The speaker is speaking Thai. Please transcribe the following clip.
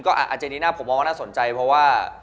ก็อาเจนิน่าผมว่าน่าสนใจเพราะว่า